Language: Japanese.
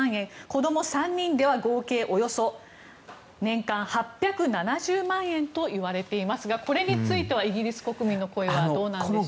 子供３人では合計およそ年間８７０万円といわれていますがこれについてイギリス国民の声はどうなんでしょう。